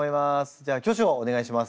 じゃあ挙手をお願いします。